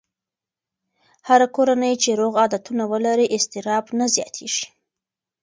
هره کورنۍ چې روغ عادتونه ولري، اضطراب نه زیاتېږي.